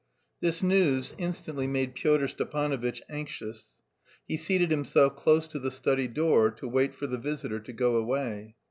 This news instantly made Pyotr Stepanovitch anxious. He seated himself close to the study door to wait for the visitor to go away.